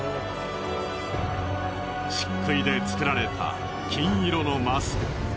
漆喰で作られた金色のマスク。